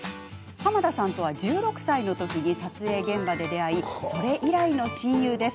濱田さんとは１６歳の時に撮影現場で出会いそれ以来の親友です。